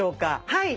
はい。